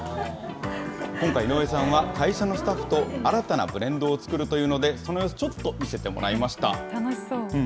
今回、井上さんは、会社のスタッフと新たなブレンドを作るというので、その様子、ちょっと見せてもらいました。